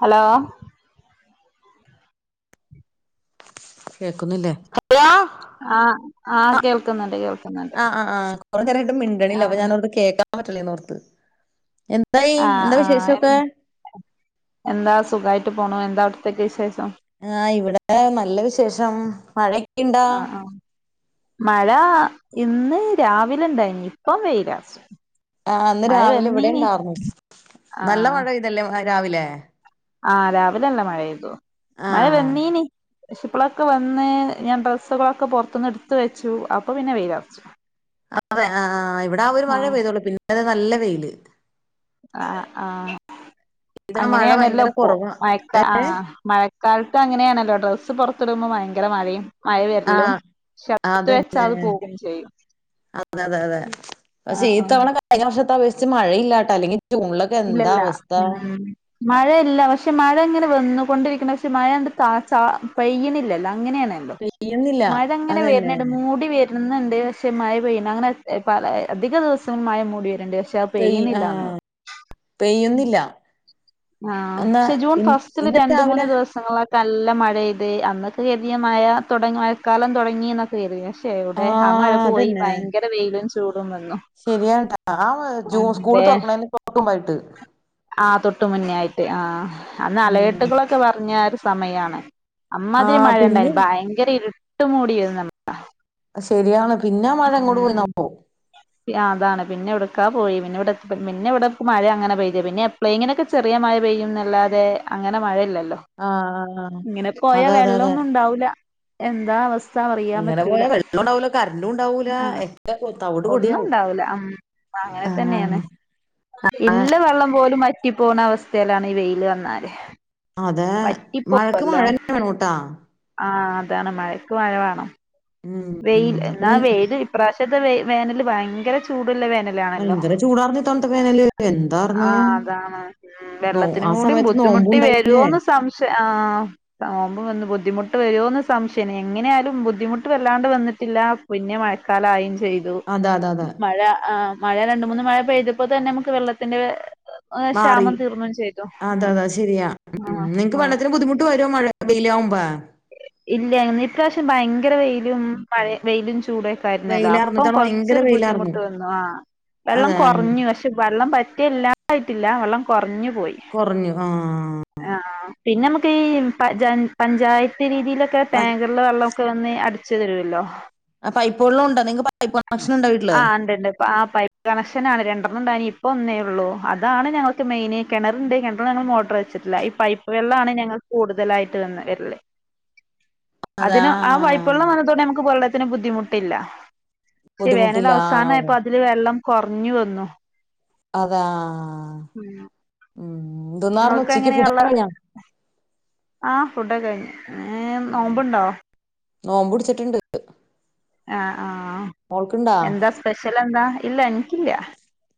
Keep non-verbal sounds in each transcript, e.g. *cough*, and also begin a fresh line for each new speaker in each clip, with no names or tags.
Hello
കേക്കുന്നില്ലേ hello
ആ ആ കേൾക്കുന്നുണ്ട് കേൾക്കുന്നുണ്ട്.
ആ ആ കുറേ നേരയിട്ട് മിണ്ടണല്ല അപ്പൊ
ആഹ്
ഞാനോർത് കേൾക്കാൻ പറ്റില്ലന്നർത്ത്.
ആഹ്
എന്താ
ആഹ്
വിശേഷൊക്കെ?
എന്താ സുഖയിട്ട് പോണു എന്താവിടത്തേ വിശേഷം?
ആ ഇവിടെ നല്ല വിശേഷം മഴ
ആ ആ മഴ ഇന്ന് രാവിലെ ഉണ്ടായിനി ഇപ്പം വെയിലർച്ചു.
ആ ഇന്ന് രാവിലെ ഇവിടെണ്ടായിർന്നു നല്ല മഴെയ്തല്ലേ രാവിലെ?
ആ രാവിലല്ല മഴെയ്തു മഴ
ആഹ്
വെന്നീനി. ക്ഷിപ്പളൊക്കെ വന്ന് ഞാൻ ഡ്രസ്സുകളൊക്കെ പുറത്തുന്ന് എടുത്ത് വെച്ചു അപ്പൊ പിന്നെ വെയിലറച്ചു.
അതെ ആഹ് ഇവിടെ ആഹ് ഒരു മഴ പെയ്തോളൂ പിന്നെ അത് നല്ല വെയില്
ആഹ് ആഹ്
ഇത്തവണ മഴ ഭയങ്കര
അങ്ങനെയാണല്ലോപ്പോ
കൊറവാ
മഴക്ക ആഹ് മഴക്ക് കഴുത്ത് അങ്ങനാണല്ലോ ഡ്രസ്സ് പുറത്തിടുമ്പോൾ ഭയങ്കര മഴയും മഴവിരലും
ആഹ്
ശബ്ദ്
അതന്നെ
വെച്ച അത് പോവുകയും ചെയ്യും
അതെ അതെ അതെ
ആ
പക്ഷെ ഈ
ആ
തവണ കഴിഞ്ഞ വർഷത്തെ അപേക്ഷിച്ച് മഴയില്ലാട്ട അല്ലെങ്കിൽ ജൂണിലൊ എന്താ
ഇല്ലല്ല
അവസ്ഥ
ഉം മഴയില്ല പക്ഷെ മഴ ഇങ്ങനെ വന്ന് കൊണ്ടിരിക്കണ പക്ഷെ മഴ എ തചാ പെയ്യുന്നില്ലല്ലോ അങ്ങനെയാണ്
പെയ്യുന്നില്ല
മഴയിങ്ങനെ
അതന്നെ
വരന്നിണ്ട് മൂടി വ എന്നുമുണ്ടെ പക്ഷെ മഴ പെയ്യണ്ട് അങ്ങനെ പല അധികം ദിവസങ്ങളിൽ മഴ മൂടി വരുന്നുണ്ട് പക്ഷേ പ
പെയ് ആഹ്
പെയിനില്ലാന്നു
പെയ്യുന്നില്ല
ആഹ്
എന്നാ
പക്ഷെ ജൂൺ
ഇ
ഫസ്റ്റില്
ഇന്ന്
രണ്ട് മൂന്ന്
രാവിലെ
ദിവസം ങ്ങളൊക്കെ നല്ല മഴ ഇത് അന്നൊക്കെ കര്തിയ മഴ തുടങ്ങി മഴക്കാലം തുടങ്ങിക്കെ ഇത് പക്ഷേ
ആ
എവിടെ ആഹ് മഴ പോയി ഭയങ്കര വെയിലും ചൂടും വന്നു
ശരിയട്ടാ ആഹ് മഴ ജൂൺ സ്കൂള് തുറക്കണേനു തൊട്ട് മുമ്പായിട്ട്
ആഹ് തൊട്ട് മുന്നെ ആയിട്ട് ആഹ് അന്ന്
ഉം
അലകട്ടുകളൊക്കെ പറഞ്ഞ ഒരു സമയാണ്
ആ
അമ്മാതിരി
പിന്നെ
മഴയിണ്ടായിരുന്നു ഭയങ്കര ഇരുട്ട് മൂടിയരുന്നു
ശരിയാണ് പിന്നെ മഴ എങ്ങോട്ട് പോയി
ആഹ്
ന്നോ
അതാണ് പിന്നെ ഇവിടക്കാ പോയി പിന്നെ ഇവിടെ പിന്നെ ഇവിടെ മഴ അങ്ങനെ പെയത പിന്നെ എപ്പളേകിലും ചെറിയ മഴ പെയ്യും ന്നല്ലാതെ അങ്ങനെ മഴയില്ലല്ലോ
ആ
ഇങ്ങനെ പോയാ
അതെ അതെ അതെ
വെള്ളമൊന്നും ഉണ്ടാവൂല എന്താ അവസ്ഥ അറിയാൻ
ഇങ്ങനെ
പറ്റൂല
പോയാ വെള്ളം ഉണ്ടാവില്ല കറണ്ടും ഉണ്ടാവൂല എന്റെ
ഒന്നും ഉണ്ടാവൂല ഉ അങ്ങനെ തന്നെയാണ് ഇല്ല വെള്ളം പോലും വ റ്റി പോവുന്ന അവസ്ഥയിലാണ് ഈ വെയില് വന്നാല്
അതെ മഴക്ക്
വറ്റിപ്പോവല്ലോ
മഴ തന്നെ വേണൂട്ടാ
ആഹ് അതാണ് മഴക്ക് മഴ വേണം
ഉം ഉം
വെയിൽ എന്നാ
ഊ-
വെയില് ഇപ്രാവശ്യത്തെ വ വേനൽ ഭയങ്കര ചൂടുള്ള വേനലാ ലാണല്ലേ
ഭയങ്കര ചൂടാർന്ന് ഇത്തവണത്തെ വേനല് എന്താർന്ന്
ആഹ് അതാണ്
നോ
വെള്ളത്തി നു
ആ
കൂടി
സമയത്ത്
ബുദ്ധിമുട്ടി
നോമ്പുണ്ടായി
വരോന്ന് സംശ പക്ഷേ ആഹ് നോമ്പ് വന്ന് ബുദ്ധിമുട്ട് വരുമോന്ന് സംശയന എങ്ങനെയാലും ബുദ്ധിമുട്ട് ട്ട് വല്ലാണ്ട് വന്നിട്ടില്ല പിന്നെ മഴക്കാലായയും ചെയ്തു
അതെ അതെ അതെ
മഴ ആഹ് മഴ രണ്ട് മൂന്ന് മഴ പെയ്തപ്പോ തന്നെ നമുക്ക് വെള്ളത്തിന്റെ
മാറി
ക്ഷാമം തീർന്നും ചെയ്തു
അതെ
ഉം
അതാ ശരിയാ
ആ
ഉ നിങ്ങക്ക്
ആ
വെള്ളത്തിന് ബുദ്ധിമുട്ട് വരുമോ മഴ വെയിലാകുമ്പോ
ഇല്ല ഇന്നീ ഇപ്രാവശ്യം ഭയങ്കര വെയിലും മഴയു വെയിലും ചൂട ല്ലോ അപ്പൊ
വെയിലാർന്നിട്ടാണ് ഭയങ്കര
കൊറച്ചൊരു
വെയിലാർന്നു.
ബുദ്ധിമുട്ട് വന്നു ആഹ് വെള്ളം
അതെ ആഹ്
കുറഞ്ഞു ക പക്ഷെ വെള്ളം പറ്റിയില്ലാതായിട്ടില്ല വെള്ളം കുറഞ്ഞു പോയി
കുറഞ്ഞു ആഹ്
ആഹ് പിന്നെ നമുക്ക് ഈ പഞ്ചായത്ത് രീതിയിലൊക്കെ
പ
ടാങ്ക് ഉള്ള വെള്ളമൊക്കെ വന്ന് അടിച്ചു തരുമല്ലോ
ആഹ് പൈപ്പ് വെള്ളോം ഉണ്ട് നി പൈപ്പ് കണക്ഷൻ ഉണ്ടോ വീട്ടിൽ
ആഹ് ഉണ്ടിണ്ട് ആഹ് പൈ കണക്ഷൻ ആണ് രണ്ടെണ്ണംണ്ടായിനി ഇപ്പൊ ഒന്നേ ഉള്ളൂ അതാണ് ഞങ്ങക്ക് മെയിൻ കിണറുണ്ട് കിണറി ഞങ്ങൾ മോട്ടർ വെച്ചിട്ടില്ല പൈപ്പ് വെള്ളാണ് ഞങ്ങൾ കൂടുതലായിട്ട് വന്ന വരൽ
അതാ
അതിന് ആ പൈപ്പുവെള്ളം വന്നതുകൊണ്ട് നമുക്ക് വെള്ളത്തിന് ബുദ്ധിമുട്ടില്ല പക്ഷെ വേനൽ
ബുദ്ധിമുട്ടില്ല ആവും
അവസാനംയപ്പൊ അതില് വെള്ളം കുറഞ്ഞു വന്നു
അതാ
ഉം
ഉ എന്തെന്നായിരുന്നു
നിങ്ങൾക്ക്
ഉച്ചിക്ക് ഫുഡ്
എങ്ങനെയുള്ള
ഒക്കെ കഴിഞ്ഞോ
ആ ഫുടൊക്കെ കഴിഞ്ഞു ഏ നോമ്പ്ണ്ടൊ
നോമ്പ് പിടിച്ചിട്ടണ്ട്
ആഹ് ആ
മോൾക്ക്ണ്ടാ?
എന്താ സ്പെഷ്യൽ എന്താ ഇല്ല എനിക്കില്ല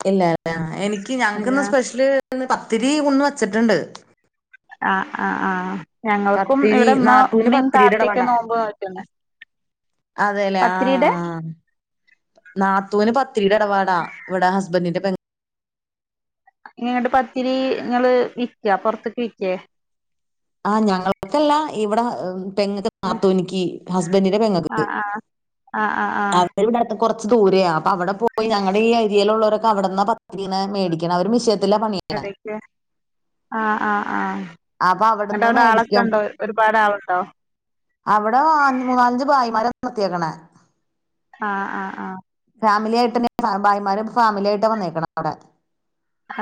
ഇല്ലല്ലേ എനിക്ക് ഞങ്ങക്ക് ഇന്ന്
ആഹ്
സ്പെഷ്യല് പത്തിരി ഒന്ന് വെച്ചട്ട്ണ്ട്
ആ ആ ആഹ് ഞങ്ങൾക്കും
പത്തിരി
ഇവിടെ ഇമ്മ
നാത്തൂന്
ഇമ്മീ
പത്തിരിയുടെ
താത്തൊക്കെ
ഇടപാടാ
നോമ്പ് നോറ്റ്ക്ക്‌ണ്
അതെല്ലേ ആഹ് നാത്തൂന് പത്തിരിയുടെ ഇടപാടാ ഇവിട ഹസ്ബന്റിന്റെ പെങ്ങ
ഇന്നട്ട് പത്തിരി ഇങ്ങള് വിക്കാ പൊറത്ത്ക്ക് വിക്കേ
ആഹ് ഞങ്ങൾക്കല്ല ഇവിടെ പെങ്ങക്ക് നാത്തൂനിക്ക് ഹസ്ബന്റിന്റെ പെങ്ങക്ക്
ആഹ് ആഹ് ആഹ് ആഹ്
കൊറച്ച് ദൂരെയാ അപ്പൊ അവടെ പോയി ഞങ്ങടെ ഈ ഏരിയേലുള്ളോരൊക്കെ അവിടന്ന പത്തിരിയിങ്ങനെ മേടിക്കണെ അവര് മെഷീന തില പണിയണെ
എടക്ക് ആഹ് ആഹ് ആഹ്
അപ്പൊ അവിടെ നിന്ന്
എന്നട്ടവടെ
മേടിക്കും
ആളൊക്കെണ്ടോ ഒരുപാടാളുണ്ടോ
അവടെ അ മൂന്നാലഞ്ച് ഭായിമാരെപ്പൊ നിർത്തിയേക്കണെ
ആഹ് ആഹ് ആഹ്
ഫാമിലി ആയിട്ടെന്നെ ഭായിമാര് ഫാമിലി ആയിട്ട വന്നേക്കണെ അവടെ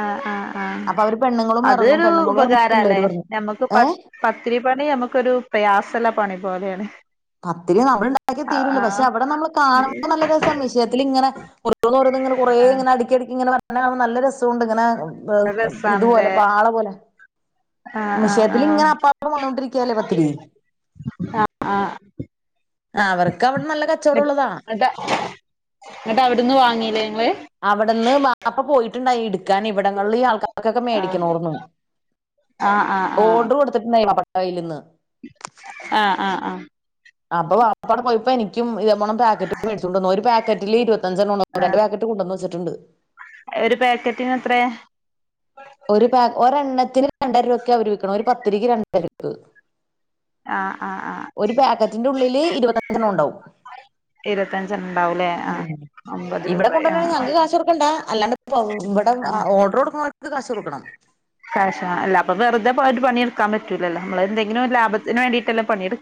ആഹ് ആഹ് ആഹ്
പെണ്ണുങ്ങളും ഇറങ്ങും
അതൊരു
പെണ്ണുങ്ങളും ഇറങ്ങും
ഉപകാരല്ലേ
പിള്ളേരും ഇറങ്ങും
ഞമ്മക്ക് പ
ഏഹ്
പത്തിരി പണി നമുക്കൊരു പ്രയാസള്ള പണി പോലെയാണ്
പത്തിരി നമ്മളുണ്ടാക്കിയാ
ആഹ്
തീരൂല്ല പക്ഷെ
ആഹ്
അവടെ നമ്മള് കാണുമ്പോ നല്ല രസാ മെഷീത്തിലിങ്ങനെ ഓരോന്നോരോന്നിങ്ങനെ കൊറേയിങ്ങനെ അടുക്കിയടുക്കിയിങ്ങന ങ്ങനെ നല്ല രസോണ്ട് ഇങ്ങനെ
അത്
ഇതുപോലെ
രസാണ്ല്ലേ
പാള പോലെ
ആഹ് ആഹ് ആഹ്
മെഷീത്തിലിങ്ങനെ അപ്പാപ്പളും വന്നോണ്ടിരിക്കല്ലേ പത്തിരി
ആഹ് ആഹ്
അവർക്കവടെ നല്ല കച്ചോടള്ളത
ന്നട്ട ഇന്നട്ടവിടന്ന് വാങ്ങീലേ ഇങ്ങള്
അവിടെന്ന് വാപ്പ പോയിട്ട്ണ്ടായി ഇടു ക്കാൻ ഇവിടങ്ങള്ലീ ആൾക്കാർക്കൊക്കെ
ആഹ്
മേടിക്കണാർന്നു
ആഹ് ആഹ് ആഹ്
ഓഡർ കൊടു ത്തട്ട്ണ്ടായി വാപ്പാടെ കയ്യിൽ നിന്ന്
ആഹ് ആഹ് അഹ്
അപ്പൊ വാപ്പാണ്ട് പോയപ്പോ എനിക്കും ഇതേ പോലെ പാക്കറ്റ് മേടിച്ചോണ്ടന്നു ഒരു പാക്കറ്റില് ഇരുപത്തഞ്ചെണ്ണണ്ട് രണ്ട്
ആഹ്
പാക്കറ്റ് കൊണ്ടന്ന് വെച്ചിട്ടുണ്ട്
ഒരു പാക്കറ്റിന് എത്രയാ
ഒരു പ ഒരെണ്ണത്തിന് രണ്ടര രൂപക്ക അവര് വിക്കണ് ഒരു പത്തിരിക്ക് രണ്ടര രൂപ
ആഹ് ആഹ് ആഹ്
ഒരു പാക്കറ്റിന്റെ ഉള്ളില് ഇരുപത്തിഞ്ചെണ്ണം ഉണ്ടാവും
ഇരുപത്തഞ്ചെണ്ണം ഉണ്ടാവൂലേ ആ
ഉമ്
അമ്പത്
ഇവടെ
രൂപ
കൊണ്ടന്ന ഞങ്ങക്ക് കാശൊട്ക്കണ്ടാ അല്ലാണ്ട് പ്പൊ ഇവടെ
ആ
ഓർഡർ കൊടുക്കുന്നോർക്ക് കാശ് കൊടുക്കണം
ക്യാഷ അല്ലപ്പ വെറുതെ പോയിട്ട് പണിയെടുക്കാൻ പറ്റൂലല്ലോ നമ്മള് എന്തെങ്കിലും ലാഭത്തിന് വേണ്ടീട്ടെല്ലേ പണിയെടുക്ക്‌ണ്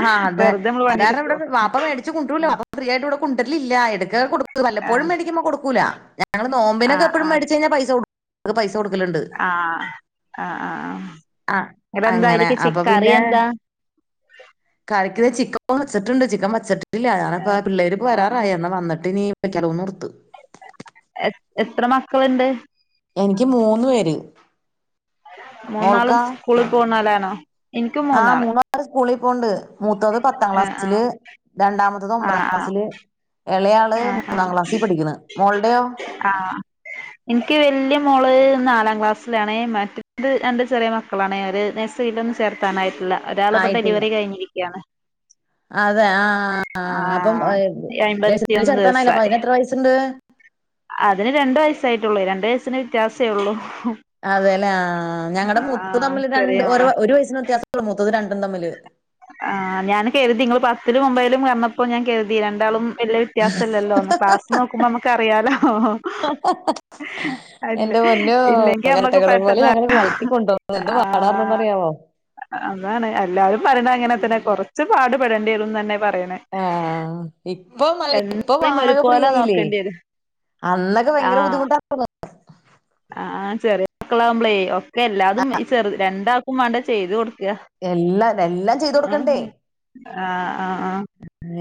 ആഹ് അതെ അത് കാരണെവിടെ വാപ്പ വേടിച്ച് കൊണ്ടരൂല്ല വാപ്പ ഫ്രീയായിട്ട് ഇവടെ കൊണ്ടരലില്ല എടക്കൊക്കെ കൊടു
ആ
വല്ലപ്പോഴും മേടിക്കുമ്പൊ കൊടുക്കൂല്ല ഞങ്ങള് നോമ്പിനൊക്കെ എപ്പോഴും മേടിച്ച് കഴിഞാ പൈസ കൊടുക്കും ഞങ്ങൾക്ക് പൈസ കൊടുക്കലുണ്ട്
ആഹ് ആഹ് ആഹ് ആഹ്
ആഹ്
എന്നട്ട് എന്താ
അങ്ങനെ
അയില്ക്ക് ചി
അപ്പൊ
കറി
പിന്നെ
എന്താ
കറിക്ക് ചിക്കൻ ഇപ്പൊ വച്ചിട്ടുണ്ട് ചിക്കൻ വച്ചട്ടില്ല
ആ
ഞാനിപ്പോ പിള്ളേരിപ്പോ
ആ
വരാറായി എന്നാ വന്നട്ടിനി വെക്കാരോന്നോർത്ത്
എ എത്ര മക്കളുണ്ട്
എനിക്ക് മൂന്ന് പേര്
മൂന്നാളും
മോൾക്കാ
സ്കൂളിൽ പോവുന്നോലാണോ
ആഹ് മൂന്നാളും സ്കൂളി പോണ്ട് മൂത്തത് പത്താം
ആ
ക്ലാസ്സില് രണ്ടാമ അവള്
ആ ആ
ഒമ്പതാം ക്ലാസ്സില് എളയാള്
ആ
മൂന്നാം ക്ലാസ്സിൽ പഠിക്കുന്നു മോളുടെയോ
ആഹ് എനിക്ക് വല്യ മോള് നാലാം ക്ലാസ്സിലാണേ മറ്റത് എണ്ട് ചെറിയ മ മക്കളാണെ അവരെ നേഴ്സറിൽ ഒന്നും ചേർത്താനായിട്ടില്ല ഒരാൾ ഇപ്പൊ
ആയിട്ടില്ല
ഡെലിവറി കഴിഞ്ഞിരിക്കണ്
അതെ ആഹ്
ആഹ്
അപ്പംഏഹ് നെസീറി
അയ്മ്പത്തിയൊന്ന്
ചേർത്താനല്ല
ദിവസായി
അതിനിപ്പ് എത്ര വയസ്സുണ്ട്
അതിന് രണ്ടു വയസ്സായിട്ടുള്ളൂ രണ്ടു വയസ്സിന് വ്യത്യാസെ ഉള്ളു
അതെല്ലേ ആഹ് ഞങ്ങളടെ മൂത്ത തമ്മില് രണ്ട്
ചെറിയ മോളാ
ഒരു വയസിന് വ്യയാസം ഉള്ളൂ മുത്തത് രണ്ടും തമ്മില്
ആഹ് ഞാന് കരുതി ഇങ്ങള് പത്തിലും ഒമ്പയിലും പറഞ്ഞപ്പോ ഞാൻ കരുതി രണ്ടാളും വല്യ വ്യത്യാസ ഇല്ലല്ലോന്ന് ക്ലാസ് നോക്കുമ്പോ നമുക്ക് അറിയാലോ
ആ
അല്ല ഇല്ലെങ്കി അമ്മക്ക്
ഇരട്ടകളെ പോലെ ഞങ്ങളെ
പെട്ടെന്ന്ല്ലോ
വളർത്തിക്കൊണ്ടുപോകാൻ
ആ
പാടാർന്നറിയാവോ
അതാണ് എല്ലാരും പറയണ അങ്ങനെ തന്നെ കൊറച്ച്ു പാടു പെടേണ്ടിരുംന്ന് തന്നെ പറയണേ
ആഹ ഇപ്പൊല്ല ഇപ്പൊ
രണ്ടാളേം
പാക ഫ്രീ
ഒരുപോലെ
ആയില്ലേ
നോക്കേണ്ടി വരും
അന്നൊക്കെ ഭയങ്കര ബുദ്ധിമുട്ട
ആഹ ചെറിയ മക്കളാാവുമ്പളേ ഒക്കെ എല്ലാതും ഈ ചെറ രണ്ടാൾക്കും വേണ്ട ചെയ്തു കൊടുക്കുക
എല്ലാം എല്ലാം ചെയ്ത കൊൊടുക്കണ്ടേ
ആഹ് ആഹ്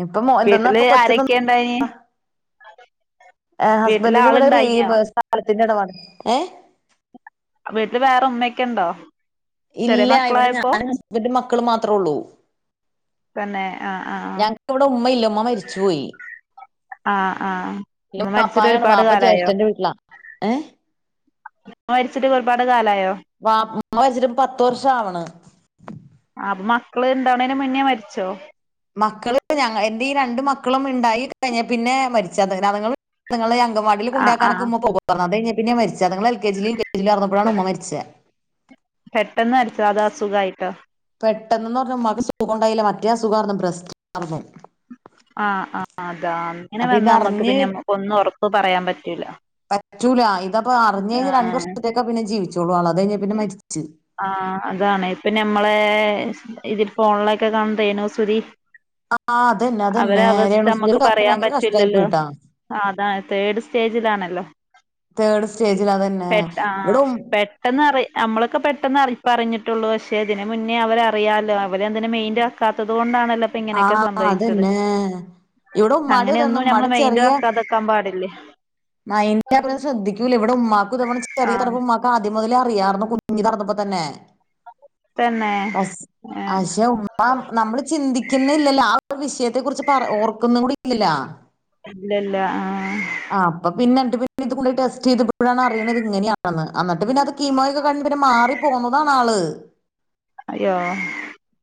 ഇപ്പ എന്തെന്നാ
വീട്ടില്
ഇപ്പൊ കൊച്ചന്ന്
ആരൊക്കെ ഇണ്ടായിനി വീട്ടില്
ഹസ്ബന്റിന് ഇവിടെ
ആള്ണ്ടായിനിയോ
*inaudible* സ്ഥലത്തിന്റെ ഇടാണ് ഏ
വീട്ടില് വേറെ ഉമ്മയൊക്കെ ഉണ്ടോ
ഇല്ല ഇവിടെ ഞാനും ഹസ്ബന്റും മക്കള് മാത്രമേ ഉള്ളൂ
തന്നെ ആ ആ
ഞങ്ങക്ക് ഇവിടെ ഉമ്മയില്ല ഉമ്മ മരിച്ചു പോയി
ആഹ് ആഹ് ഉമ്മ മരിച്ചിട്ട്
പാപ്പായാണ്
ഒരുപാട്
പാപ്പ
കാലായോ
ജ്യേഷ്ഠന്റെ വീട്ടിലാ ഏ
മരിച്ചിട്ട് ഒരുപാട് കാലായോ
വാപ്പമരിച്ചി ട്ട് പത്ത് വർഷം ആവണ്
അപ്പൊ മക്കള് ഇണ്ടാവണേന് മുന്നേ മരിച്ചോ
മക്കള് എന്റെ ഈരണ്ട് മക്കളും ഉണ്ടായി കഴിഞ്ഞൽ പിന്നെ മരിച്ചത് *inaudible* വാടി
ആഹ്
കൊണ്ടാക്കാനൊെ
ആഹ്
ഉമ്മ പോ അത് കിഞ്ഞാ പിന്ന മരിച്ച അത് ങ്ങള് എൽ കെജും കെ ജിുംറന്നപ്പോഴാണ് ഉമ്മ മരിച്ചത്
പെട്ടെന്ന് മരിച്ചത് അത് അസുഖമായിട്ടോ
പെട്ടെന്ന്ന്ന് പറഞ്ഞമ്മക്ക് സുഖം ഉണ്ടായില്ല മറ്റേ അ സുഖം ആരു ന്നു ബ്രസ്റ്റ്
ആഹ് ആ അതാ അങ്ങനെ
അപ്പൊ
വന്നാ നമ്മുക്ക് പിന്നെ
ഇതറിഞ്ഞ്
ഒന്നും ഉറപ്പ് പറയാൻ പറ്റൂല
പറ്റൂല ഇതപ്പപ്പോ അറിഞ്ഞഞ് കഴിഞ്ഞ് രണ്ടു
ആഹ്
വർഷത്തേക്കെ പിന്നെ ജീവിച്ചോളു ആൾ അത് കഴിഞ് പിന്നെ മരിച്ചു
ആ അതാണ് ഇപ്പൊ ഞമ്മളെ ഇതിൽ ഫോണിലൊക്കെ കാണതേനു സുരി
ആഹ് അതന്നെ അതന്നെ രേണു സുദീടെകാര്യം ഭയങ്കര കഷ്ടമായി പോയിട്ടാ
ആ അതാണ് തേർഡ് സ്റ്റേജിലാണല്ലോ
തേർഡ് സ്റ്റേജിൽ അത്ന്നെ
പെട്ട
ഇവിട
ആഹ് പെട്ടെന്ന് നമ്മളൊക്കെ പെട്ടെന്ന് അറി പറഞ്ഞിട്ടുള്ളൂ പക്ഷെ ഇതിനന് മുന്നേ അവരറിയാാലോ അവര്ന്െ മെയിൻറ ക്കാത്തത്ുകൊണ്ടണല്ലോ
ആഹ അതന്നെ ഇവിടെ ഉമ്മാടെ തന്നു
അങ്ങനെയൊന്നും
ഉമ്മാടെ
ഞമ്മള് മൈന്റ്
ചെറിയ
ആക്കാതെക്കാൻ പാടില്ലേ
മന്റെ അ ശ്രദ്ധിക്കൂല ഇവിടെ ഉമമാക്കും തവ ചെറിയ
ആഹ്
തറ് ഉ്മാക്ക ആദ്യം മുതലേ അറിയാന്ന് കുഞ്ഞി തുറന്നപ്പോ തന്നെ
തന്നെ
*inaudible*
ഏഹ്
ആ നമ്മള് ചിന്തിക്കുന്ന ഇല്ലല്ലോ ആ ഒരു വിഷയത്തെ കുറിച്ച് ഓർക്കുന്ന കൂടി ഇല്ലല്ല
ഇല്ലല്ല ആഹ
ആ അപ്പ പിന്ന എന്നി് പിന്ന ഇ ടെസ്റ്റ് ചെയ്ത്ഴാണ് അറിയണത് എന്നിട്ട് പിന്ന അത് കീമോയൊക്കെ പിന്നെ മാറി പോന്നതാാണ് ആള്
അയ്യോ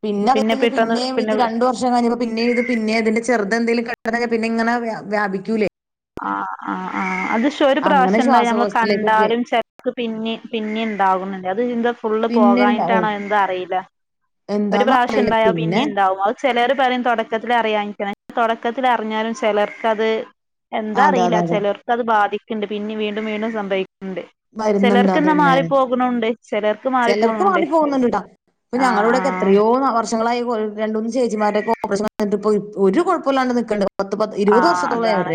പിന്നെത്
പിന്നെ
കഴിഞ്ഞ
പെട്ടെന്ന്
പിന്നെയും
പിന്നെ
ഇത് രണ്ടു വർഷം ക പിന്നെ ഇത് പിന്നെ അതിന്റെ ചെറു എന്തെലും കണ്ട പിന്നെ വ്യാപിക്കില്ലേ
ആ ആ ആഹ് അത് പക്ഷെ ഒരു
അങ്ങനെ
പ്രാവശ്യം ഉണ്ടായി നമ്മൾ
ശ്വാസകോശത്തിലേക്കൊക്കെ
കണ്ടാലും ചിലർക്ക് പിന്നെ പിന്നെ ഉണ്ടാകുന്നുണ്ട് അത് എന്ത ഫുള്ള്
പിന്നെ ഉണ്ടാവും
പോകാനട്ടാണോ എന്തും അറിയില്ല ഒരു
എന്താന്ന്
പ്രാവശ്യം
അറിയില്ല
ഉണ്ടായ പിന്നെ ഉണ്ടാവുമ അ ചിലർ പറയും തുടക്കത്തി അറിയാഞ്ഞാരിക്കുമെന്ന് തുടക്കത്തി അറിഞ്ഞാലും ചിലർക്കത്
അതെ
എന്താറിയില്ല
അതെ അതെ
ചിലർക്ക് അത് ബാധിക്കുണ്ട് പിന്നെ വീണ്ടും വീണ്ടും സംഭവിക്കും ഉണ്ട്
വരുന്നുണ്ട് അത്
ചിലർക്ക്ന്നാ
തന്നെ
മാറി പോകണണ്ട് ചിലർക്ക് മാറി പോണണ്ട്
ഇപ്പ ഞങ്ങള ഇവിടൊക്കെ എത്രയോ വർ വർങ്ങളായി രണ്ട് മൂന്ന് ചേച്ചിമാരൊക്കെഓറേഷൻ *unintelligible* ഒരു കുഴപ്പമില്ലാണ്ട് നിൽക്കണ്ടത്
ആഹ് അതാണ്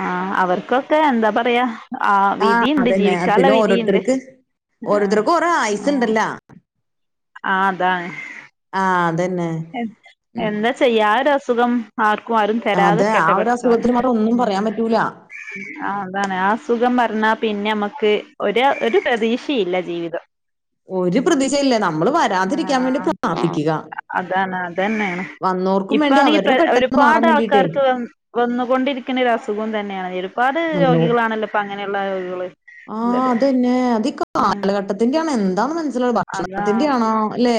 ആഹ് അവർക്കൊക്കെ എന്താ പറയാ ആ
അത്
വിധിയുണ്ട്
തന്നെ അത്
ജീവിക്കാള്ള
പിന്നെ
വിധിയുണ്ട്
ഓരോരുത്തർക്ക്
ആ
ഓരോരുത്തർക്കും ഓരോ ആയുസ്
ആ
ഉണ്ടല്ലോ
ആ അതാണ്
ആ തന്നെ
എന്താ ചെയ്യാ ആരസുഖം ആർക്കും ആരും തരാതെ
അതെ ആ
നിക്കട്ടെ
ഒരു
പടച്ചോനെ
അസുഖത്തിന് മാത്രം ഒന്നും പറയാൻ
ഉം.
പറ്റൂല
ആ അതാണ് ആസുഖം പറഞ്ഞാ പിന്നെ നമ്മുക്ക് ഒരു പ്രതീക്ഷയില്ല ജീവിതം
ഒരു പ്രതീഷയില്ല നമ്മള് വരാതിരിക്കാൻ വേണ്ടി
ആഹ്
പ്രാർത്ഥിക്കിക
അതാണ് അതെന്നെണ്
വേണ്ടി
ഇപ്പാണെങ്കി
അവരുടെ പെട്ടെന്ന് മാറാൻ
ഒരുപാട്
വേണ്ടിട്ടേ
ആൾക്കാർക്ക് വെ വന്നുകൊണ്ടിരിക്കുനെ ഒരു അസുഖം തന്നെയാണ് ഒരുപാട് രോഗികളാണല്ലോപ്പൊ അങ്ങനെയുള്ള രോഗികള്
ആഹ്
ഉള്ളത്
അതന്നെ അതക്ക
ഉം
കാലഘട്ടത്തിന്റെ ആണോ എന്താെന്ന് മനസ്സിലുള്ള
അതാ
ഭക്ഷണത്തിന്റെയാണോ അല്ലേ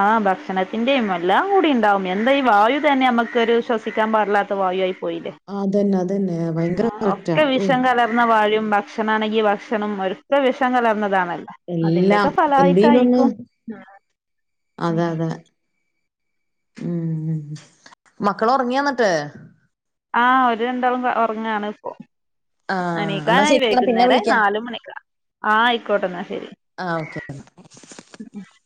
ആഹ് ഭക്ഷണത്തിന്റെയും എല്ലാം കൂടി ഉണ്ടാവും എന്താ ഈ വായു തന്നെ നമ്മുക്കൊരു ശ്വസിക്കാൻ പാടില്ലാ ത്ത വായു ആയി പോയില്ലേ
ആ അതന്നെ അതന്നെ ഭയങ്കര കറക്റ്റാ ഓ
വന്ന വാഴും ഭക്ഷണ ആണെങ്കിൽ ഭക്ഷണം ഒക്ക വിഷം കലർന്നതാണല്ല
എല്ലാം എന്തേലും ഒന്ന് അതാ അതാ ഉം മക്കൾ ഉറങ്ങി എന്നിട്ട്
ആഹ് അവര് രണ്ടോളം ഉറങ്ങാണ് ഇപ്പോ
ആ എന്നാ
എണിക്കാനായി
ശരി എന്നാ പിന്നെ
വൈകുന്നേരം
വിളിക്കാം
നാല് മണിക്ക ആ ആയിക്കോട്ടെ എന്നാ ശരി
ആ ഓക്കെ
*unintelligible*